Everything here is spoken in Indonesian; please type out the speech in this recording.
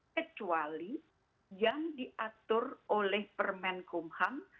kecuali yang diatur oleh permen kumham